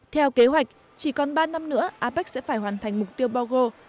theo kế hoạch chỉ còn ba năm nữa apec sẽ phải hoàn thành mục tiêu bogo